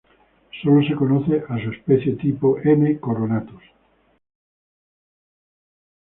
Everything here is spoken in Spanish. Solo se conoce a su especie tipo, "M. coronatus".